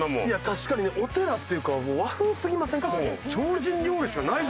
確かにね。お寺っていうか和風すぎませんか？